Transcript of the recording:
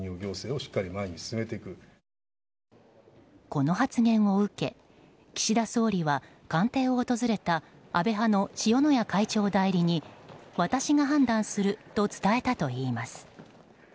この発言を受け、岸田総理は官邸を訪れた安倍派の塩谷会長代理に私が判断すると伝えたといいます。